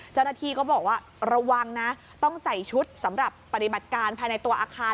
เจ้าหน้าที่ก็บอกว่าระวังนะต้องใส่ชุดสำหรับปฏิบัติการภายในตัวอาคาร